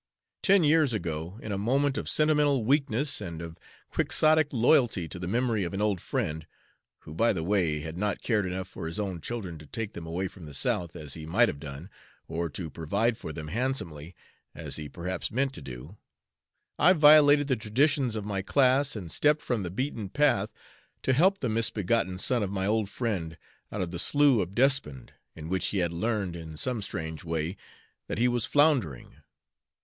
"Ten years ago, in a moment of sentimental weakness and of quixotic loyalty to the memory of an old friend, who, by the way, had not cared enough for his own children to take them away from the South, as he might have done, or to provide for them handsomely, as he perhaps meant to do, I violated the traditions of my class and stepped from the beaten path to help the misbegotten son of my old friend out of the slough of despond, in which he had learned, in some strange way, that he was floundering.